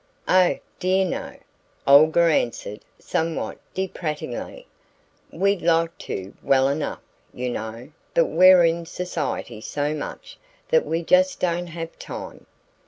"Oh, dear no," Olga answered somewhat deprecatingly. "We'd like to well enough, you know, but we're in society so much that we just don't have time."